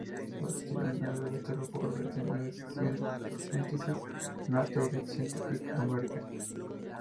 Contribuyó en la revistas Forbes, New Scientist, Nature y Scientific American.